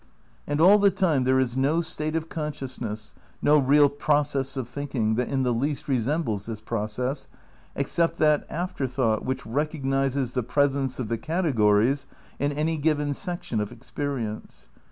And all the time there is no state of consciousness, no real process of thinking, that in the least resembles this process — except that after thought which recog nises the presence of the categories in any given sec tion of experience.